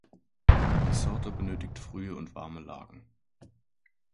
Die Sorte benötigt frühe und warme Lagen.